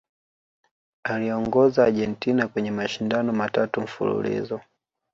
aliiongoza Argentina kwenye mashindano matatu mfululizo